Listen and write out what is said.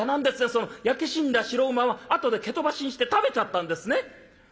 その焼け死んだ白馬はあとで蹴飛ばしにして食べちゃったんですね」。